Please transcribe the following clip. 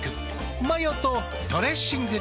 マヨとドレッシングで。